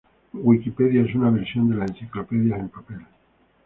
Wikipedia es una versión de las enciclopedias en papel.